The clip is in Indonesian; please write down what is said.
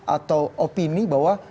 atau opini bahwa